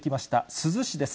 珠洲市です。